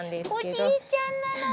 おじいちゃんなの。